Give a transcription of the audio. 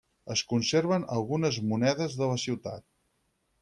Es conserven algunes monedes de la ciutat.